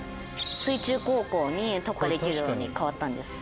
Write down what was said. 水中航行に特化できるように変わったんですよね。